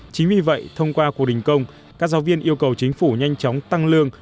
chính vì vậy thông qua cuộc đình công các giáo viên yêu cầu chính phủ nhanh chóng tăng lương